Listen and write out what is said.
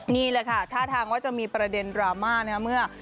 นี่แหละค่ะท่าทางว่าจะมีประเด็นดราม่านะครับเมื่อ